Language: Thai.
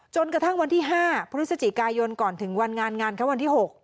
จนกระทั่งวันที่๕พฤศจิกายนก่อนถึงวันงานงานเขาวันที่๖